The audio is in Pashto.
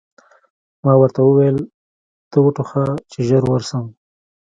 ما ورته وویل: ته و ټوخه، چې ژر ورشم.